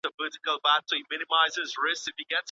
بد اخلاق خلک بېلوي